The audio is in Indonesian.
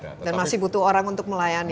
dan masih butuh orang untuk melayani